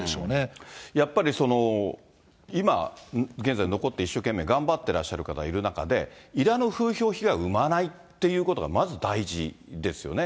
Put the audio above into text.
やっぱりその、今現在残って一生懸命頑張ってらっしゃる方いる中で、いらぬ風評被害を生まないということがまず大事ですよね。